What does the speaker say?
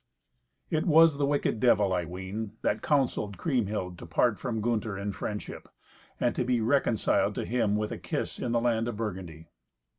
It was the wicked Devil, I ween, that counselled Kriemhild to part from Gunther in friendship, and to be reconciled to him with a kiss in the land of Burgundy.